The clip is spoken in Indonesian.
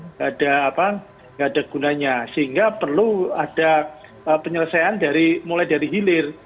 tidak ada gunanya sehingga perlu ada penyelesaian mulai dari hilir